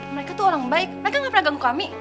mereka tuh orang baik mereka gak pernah ganggu kami